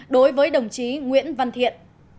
đối với đồng chí nguyễn văn thiện